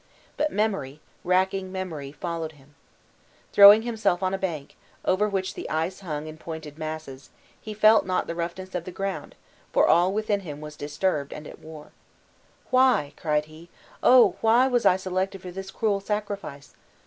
But memory, racking memory, followed him. Throwing himself on a bank, over which the ice hung in pointed masses, he felt not the roughness of the ground, for all within him was disturbed and at war. "Why," cried he, "O! why was I selected for this cruel sacrifice?